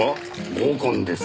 合コンです。